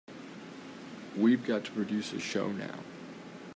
We've got to produce a show now.